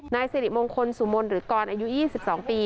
นายสิริมงคลสุมนต์หรือกรอายุ๒๒ปี